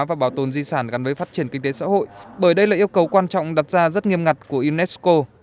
và bảo tồn di sản gắn với phát triển kinh tế xã hội bởi đây là yêu cầu quan trọng đặt ra rất nghiêm ngặt của unesco